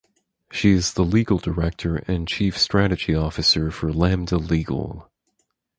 She is the legal director and chief strategy officer for Lambda Legal.